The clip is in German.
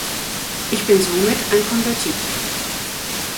Ich bin somit ein Konvertit.